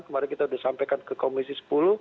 kemarin kita sudah sampaikan ke komisi sepuluh